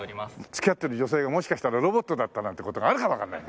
付き合ってる女性がもしかしたらロボットだったなんて事があるかもわからない。